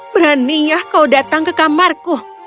beraninya kau datang ke kamarku